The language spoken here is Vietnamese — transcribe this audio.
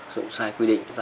sử dụng sai quy định